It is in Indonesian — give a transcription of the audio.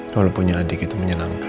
kalau punya adik itu menyenang